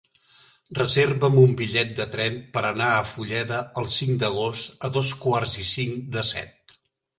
Reserva'm un bitllet de tren per anar a Fulleda el cinc d'agost a dos quarts i cinc de set.